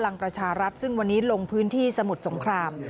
พลังประชารัฐซึ่งวันนี้ลงพื้นที่สมุทรสงคราม